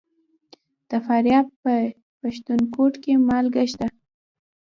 د فاریاب په پښتون کوټ کې مالګه شته.